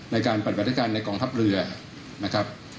ในการปฏิบัติการในกองทัพเรือนะครับ